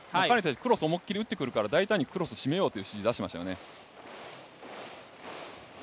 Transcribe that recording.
彼、クロスに思いきって打ってくるからクロス大胆に締めようという指示を出していましたね。